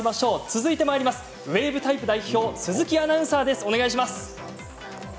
続いてウエーブタイプ代表鈴木アナウンサーです。